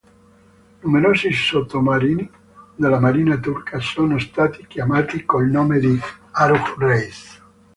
Numerosi sottomarini della Marina turca sono stati chiamati col nome di Aruj Reis.